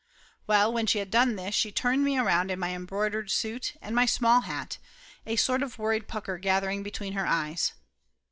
Well, when she had done this she turned me around in my embroidered suit and my small hat, a sort of worried pucker gather ing between her eyes.